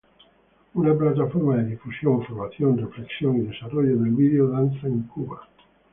Una plataforma de difusión, formación, reflexión y desarrollo del video danza en Cuba.